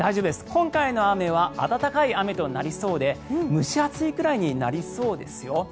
今回の雨は温かい雨となりそうで蒸し暑いくらいになりそうですよ。